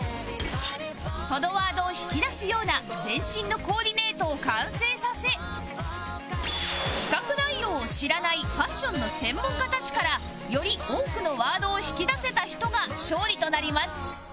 そのワードを引き出すような全身のコーディネートを完成させ企画内容を知らないファッションの専門家たちからより多くのワードを引き出せた人が勝利となります